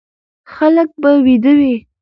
خلک به ويده وي،